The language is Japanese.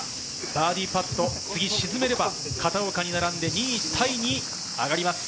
バーディーパット、次を沈めれば片岡に並んで２位タイに上がります。